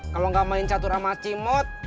kalau gak main catur sama cimut